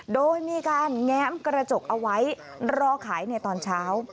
โดยมีการแง้มกระจกเอาไว้รอขายในตอนเช้า